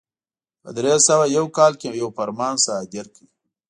په درې سوه یو کال کې یو فرمان صادر کړ.